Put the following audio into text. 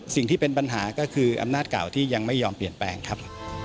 สิ่งที่เป็นปัญหาก็คืออำนาจเก่าที่ยังไม่ยอมเปลี่ยนแปลงครับ